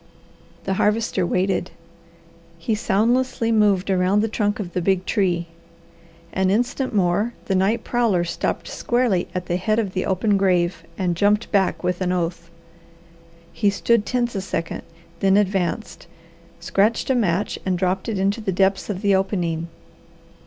The Harvester waited. He soundlessly moved around the trunk of the big tree. An instant more the night prowler stopped squarely at the head of the open grave, and jumped back with an oath. He stood tense a second, then advanced, scratched a match and dropped it into the depths of the opening.